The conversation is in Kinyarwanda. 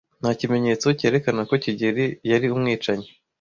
Nta kimenyetso cyerekana ko kigeli yari umwicanyi.